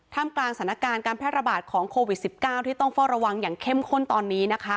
กลางสถานการณ์การแพร่ระบาดของโควิด๑๙ที่ต้องเฝ้าระวังอย่างเข้มข้นตอนนี้นะคะ